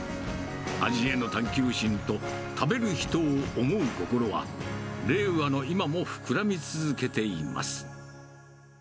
味への探求心と食べる人を思う心は、令和の今も膨らみ続けています。